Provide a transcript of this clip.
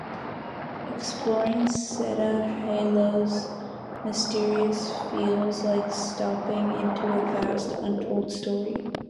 Exploring Zeta Halo's mysteries feels like stepping into a vast, untold story.